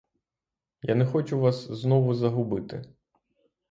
Я не хочу вас знову загубити.